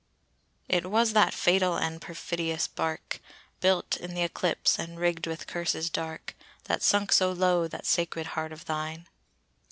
"It was that fatal and perfidious bark, Built in th' eclipse, and rigg'd with curses dark, That sunk so low that sacred heart of thine."